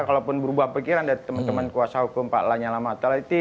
kalaupun berubah pikiran dari teman teman kuasa hukum pak lani alam ataliti